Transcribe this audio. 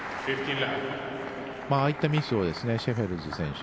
ああいったミスをシェフェルス選手